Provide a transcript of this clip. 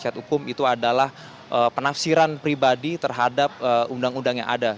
proses hukum itu adalah penafsiran pribadi terhadap undang undang yang ada